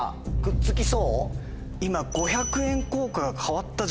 今。